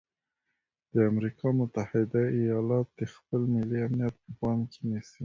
د امریکا متحده ایالات د خپل ملي امنیت په پام کې نیسي.